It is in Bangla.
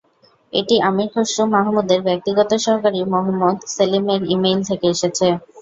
এটি আমীর খসরু মাহমুদের ব্যক্তিগত সহকারী মোহাম্মদ সেলিমের ই-মেইল থেকে এসেছে।